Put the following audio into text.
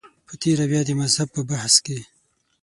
په تېره بیا د مذهب په بحث کې.